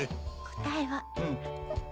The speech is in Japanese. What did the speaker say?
答えは。